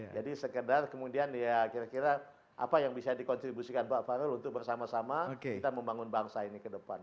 jadi sekedar kemudian ya kira kira apa yang bisa dikontribusikan pak fahru untuk bersama sama kita membangun bangsa ini ke depan